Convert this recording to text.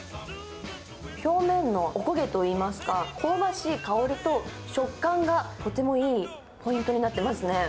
表面のお焦げといいますか、香ばしい香りと、食感がとてもいいポイントになっていますね。